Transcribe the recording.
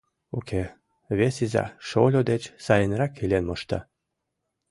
Уке, вес иза, шольо деч сайынрак илен мошта.